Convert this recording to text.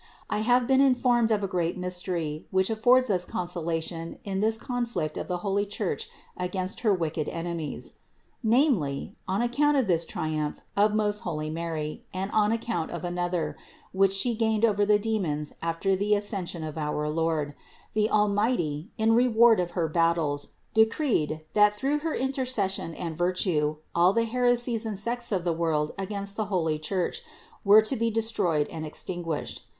I have been informed of a great mystery, which affords us consolation in this con flict of the holy Church against her wicked enemies. Namely, on account of this triumph of most holy Mary and on account of another, which She gained over the demons after the Ascension of our Lord (Part III, 528), the Almighty, in reward of her battles, decreed, that through her intercession and virtue all the heresies and sects of the world against the holy Church were to be destroyed and extinguished.